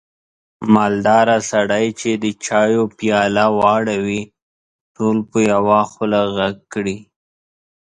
مالداره سړی چې د چایو پیاله واړوي، ټول په یوه خوله غږ کړي.